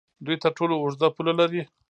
دوی تر ټولو اوږده پوله لري.